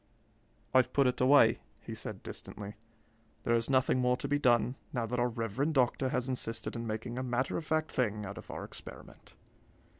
"I've put it away," he said distantly. "There is nothing more to be done, now that our reverend doctor has insisted in making a matter of fact thing out of our experiment.